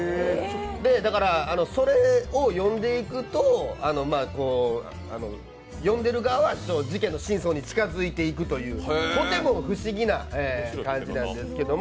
で、それを読んでいくと読んでる側は事件の真相に近づいていくというとても不思議な感じなんですけれども。